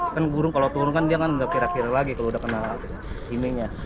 kan burung kalau turun kan dia kan nggak kira kira lagi kalau udah kena emailnya